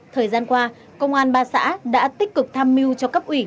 thời gian qua công an ba xã đã tích cực tham mưu cho cấp ủy